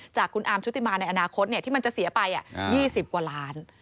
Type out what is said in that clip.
จากคุณอาร์มชุติมาในอนาคตที่มันจะเสียไป๒๐กว่าล้าน